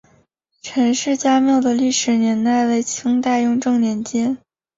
陈氏家庙的历史年代为清代雍正年间。